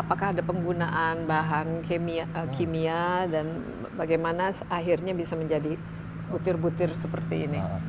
apakah ada penggunaan bahan kimia dan bagaimana akhirnya bisa menjadi butir butir seperti ini